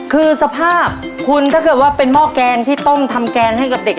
คือสภาพคุณถ้าเกิดว่าเป็นหม้อแกงที่ต้มทำแกงให้กับเด็ก